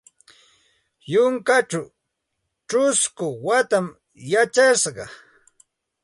Yunkaćhaw ćhusku watam yacharqa.